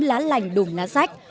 lá lành đùm lá sách